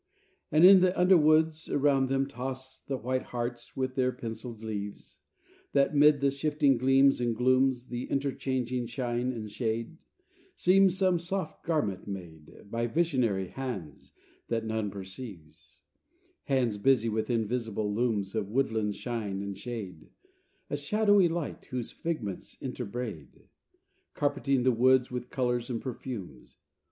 And in the underwoods, around them, toss The white hearts with their penciled leaves, That, 'mid the shifting gleams and glooms, The interchanging shine and shade, Seem some soft garment made By visionary hands, that none perceives; Hands busy with invisible looms Of woodland shine and shade; a shadowy light, Whose figments interbraid, Carpeting the woods with colors and perfumes.